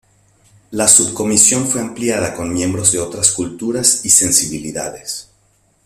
La subcomisión fue ampliada con miembros de otras culturas y sensibilidades.